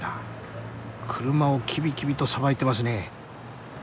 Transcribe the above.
車をキビキビとさばいてますね。